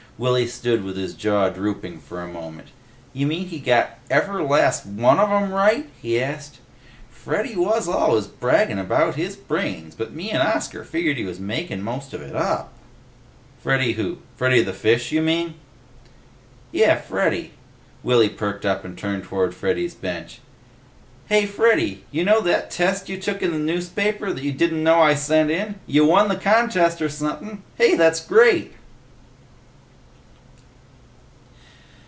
Willy stood with his jaw drooping for a moment. "You mean he got ever' last one of 'em right?" he asked. "Freddy was always braggin' about his brains, but me 'n' Oscar figgered he was makin' most of it up." "Freddy who? Freddy the Fish you mean?" "Yeh, Freddy." Willy perked up and turned toward Freddy's bench. "Hey, Freddy! Hey, you know that test you took in the newspaper that you didn't know I sent in? You won the contest or sumpin'! Hey, that's great!"